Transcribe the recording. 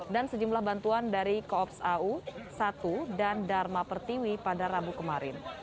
dan sejumlah bantuan dari koops au satu dan dharma pertiwi pada rabu kemarin